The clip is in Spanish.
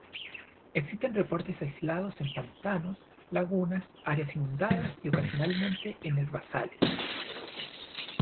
Existen reportes aislados en pantanos, lagunas, áreas inundadas y ocasionalmente en herbazales.